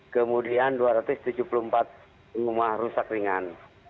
kemudian dua ratus tujuh puluh empat rumah rusak ringan